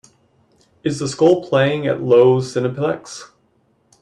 Is The Skull playing at Loews Cineplex